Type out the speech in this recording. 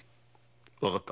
分かった。